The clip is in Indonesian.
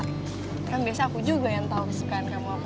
kan biasanya aku juga yang tahu kesukaan kamu apa